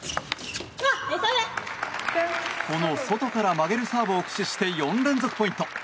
この、外から曲げるサーブを駆使して４連続ポイント。